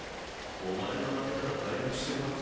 お前が負けたら退学してもらうぞ。